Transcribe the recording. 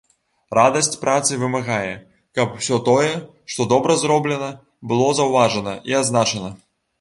Радасць працы вымагае, каб усё тое, што добра зроблена, было заўважана і адзначана.